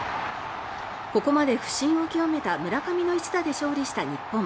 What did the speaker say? ここまで不振を極めた村上の一打で勝利を収めた日本。